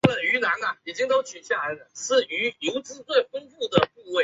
毛茎水蜡烛为唇形科水蜡烛属下的一个种。